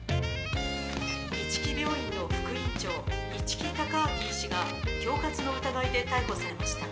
一木病院の副院長一木孝明医師が恐喝の疑いで逮捕されました。